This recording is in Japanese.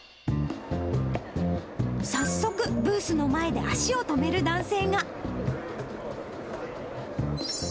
早速、ブースの前で足を止める男性が。